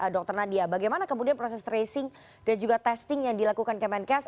dr nadia bagaimana kemudian proses tracing dan juga testing yang dilakukan kemenkes